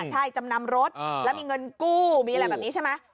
ใช่จำนำรถแล้วมีเงินกู้มีอะไรแบบนี้ใช่ไหม